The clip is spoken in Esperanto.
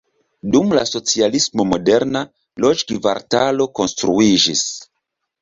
Dum la socialismo moderna loĝkvartalo konstruiĝis.